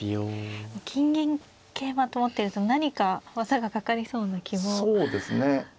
金銀桂馬と持ってると何か技がかかりそうな気もしてしまうんですが。